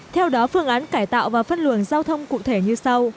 theo đó phương án cải tạo và phân luồng giao thông cụ thể như sau